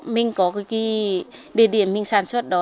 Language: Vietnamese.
mình có địa điểm mình sản xuất đó